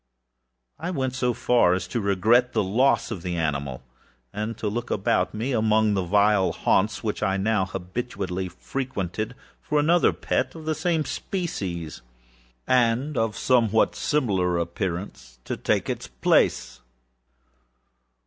I went so far as to regret the loss of the animal, and to look about me, among the vile haunts which I now habitually frequented, for another pet of the same species, and of somewhat similar appearance, with which to supply its place.